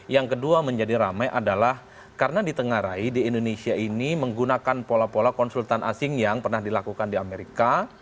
yang kedua menjadi ramai adalah karena ditengarai di indonesia ini menggunakan pola pola konsultan asing yang pernah dilakukan di amerika